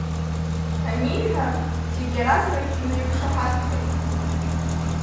Аниҳәа, зегьы иаразнак инақәшаҳаҭхеит.